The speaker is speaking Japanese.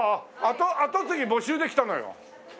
跡継ぎ募集で来たのよ。